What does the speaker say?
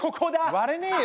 割れねえよ